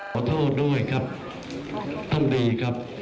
ขอโทษด้วยครับท่านดีครับ